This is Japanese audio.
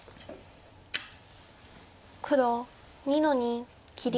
黒２の二切り。